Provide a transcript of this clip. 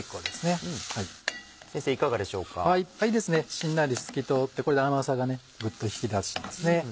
しんなり透き通ってこれで甘さがグッと引き立ちます。